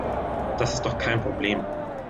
Das ist doch kein Problem.